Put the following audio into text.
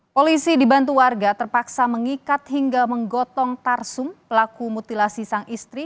polisi dibantu warga terpaksa mengikat hingga menggotong tarsum pelaku mutilasi sang istri